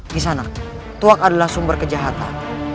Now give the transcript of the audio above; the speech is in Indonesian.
kisanak tuak adalah sumber kejahatan